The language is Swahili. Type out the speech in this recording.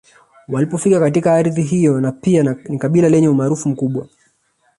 Walipofika katika ardhi hiyo na pia ni kabila lenye umaarufu mkubwa